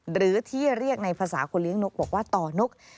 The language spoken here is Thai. หรือที่เรียกในภาษาคนเลี้ยงนกบอกว่าต่อนก